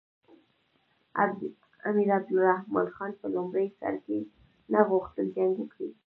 امیر عبدالرحمن خان په لومړي سر کې نه غوښتل جنګ وکړي.